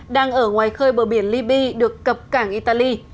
đang ở ngoài khơi bờ biển libya được cập cảng italy